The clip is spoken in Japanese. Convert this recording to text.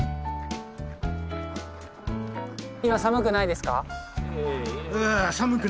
今寒くないですか？